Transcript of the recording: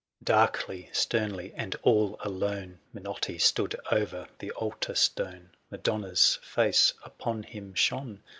Darkly, sternly, and all alone, Minotti stood o'er the altar stone: Madonna's face upon him shone.